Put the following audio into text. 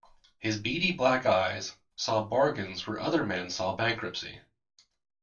His beady black eyes saw bargains where other men saw bankruptcy.